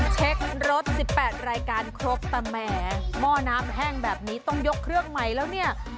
เช็ครถ๑๘รายการครบแต่แหมหม้อน้ำแห้งแบบนี้ต้องยกเครื่องใหม่แล้วเนี่ย